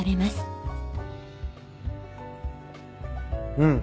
うん。